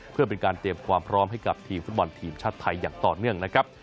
เพื่อเป็นการเตรียมความพร้อมให้กับทีมฟุตบอลทีมชาติไทยอย่างต่อเนื่องนะครับ